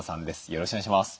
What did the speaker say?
よろしくお願いします。